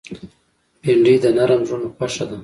بېنډۍ د نرم زړونو خوښه ده